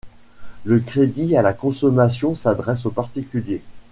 Le crédit à la consommation s'adresse aux particuliers.